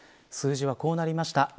数字はこうなりました。